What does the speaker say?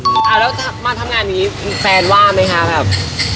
แล้วมาทำงานอย่างนี้แฟนว่าไหมคะแบบ